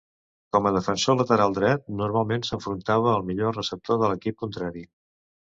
Com a defensor lateral dret, normalment s'enfrontava al millor receptor de l'equip contrari.